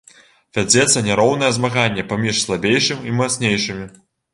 Вядзецца няроўнае змаганне паміж слабейшым і мацнейшымі.